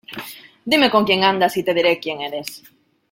Dime con quién andas y te diré quién eres.